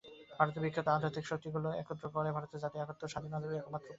ভারতের বিক্ষিপ্ত আধ্যাত্মিক-শক্তিগুলিকে একত্র করাই ভারতের জাতীয় একত্ব-সাধনের একমাত্র উপায়।